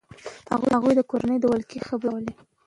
هغوی د کورونو د ولکې خبرې کولې.